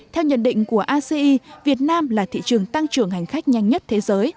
theo nhận định của aci việt nam là thị trường tăng trưởng hành khách nhanh nhất thế giới